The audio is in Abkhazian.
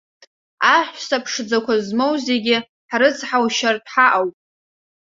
Аҳәса ԥшӡақәа змоу зегьы ҳрыцҳаушьартә ҳаҟоуп.